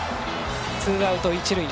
ツーアウト、一塁。